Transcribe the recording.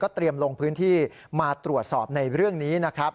เตรียมลงพื้นที่มาตรวจสอบในเรื่องนี้นะครับ